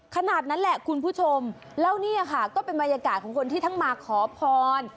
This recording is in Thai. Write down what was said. ขนาดนั้นแหละคุณผู้ชมแล้วเนี่ยค่ะก็เป็นบรรยากาศของคนที่ทั้งมาขอพร